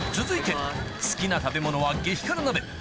続いて好きな食べ物は激辛鍋